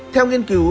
theo nghiên cứu